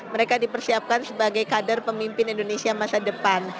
mereka dipersiapkan sebagai kader pemimpin indonesia masa depan